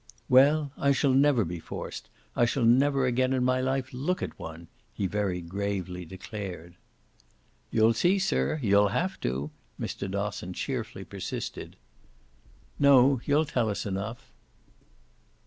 "Well, I shall never be forced I shall never again in my life look at one," he very gravely declared. "You'll see, sir, you'll have to!" Mr. Dosson cheerfully persisted. "No, you'll tell us enough."